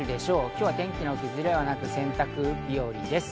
今日は天気の崩れはなく洗濯日和です。